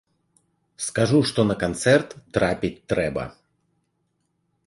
Скажу, што на канцэрт трапіць трэба!